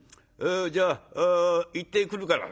じゃあ行ってくるから」。